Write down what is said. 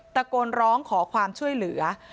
ตะโกนร้องขอความช่วยเหลือ